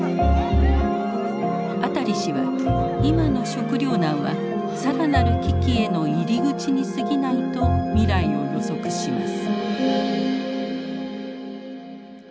アタリ氏は今の食料難は更なる危機への入り口にすぎないと未来を予測します。